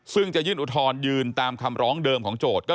ซึ่งจะยื่นอุทธรณยืนตามคำร้องเดิมของโจทย์